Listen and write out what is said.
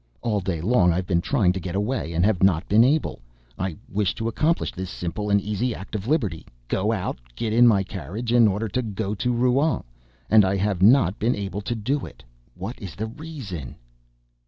All day long I have been trying to get away, and have not been able. I wished to accomplish this simple and easy act of liberty go out get into my carriage in order to go to Rouen and I have not been able to do it. What is the reason?